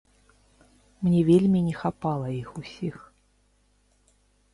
Мне вельмі не хапала іх усіх.